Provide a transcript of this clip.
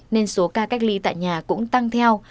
nên số ca cách ly tại nhà cũng tăng theo